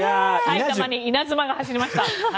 埼玉に稲妻が走りました。